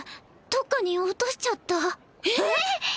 どっかに落としちゃったえっ！？